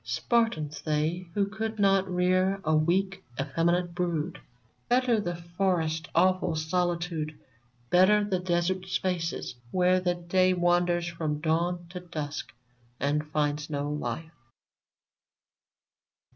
Spartans they, Who could not rear a weak, effeminate brood. Better the forest's awful solitude, Better the desert spaces, where the day Wanders from dawn to dusk and finds no life